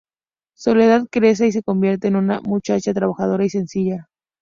Soledad crece y se convierte en una muchacha trabajadora y sencilla.